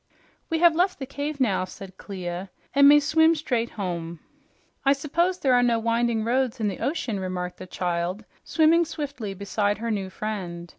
"We have left the cave now," said Clia, "and may swim straight home." "I s'pose there are no winding roads in the ocean," remarked the child, swimming swiftly beside her new friend.